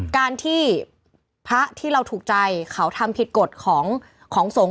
การที่พระที่เราถูกใจเขาทำผิดกฎของสงฆ์